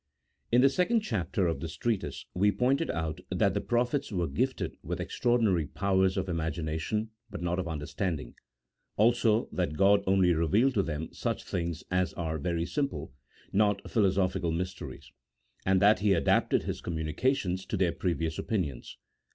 IN the second chapter of this treatise we pointed out that the prophets were gifted with extraordinary powers of imagination, but not of understanding ; also that God only revealed to them such things as are very simple — not philo sophic mysteries, — and that He adapted His communica tions to their previous opinions.